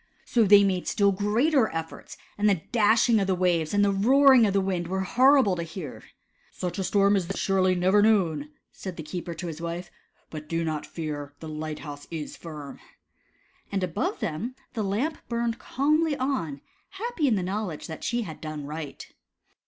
So they made still greater efforts, and the dash ing of the waves and the roaring of the wind were horrible to hear. " Such a storm as this was surely never known," said the keeper to his wife, " but do not fear, the light house is firm." And above them the Lamp burned calmly on, happy in the knowl edge that she had done right.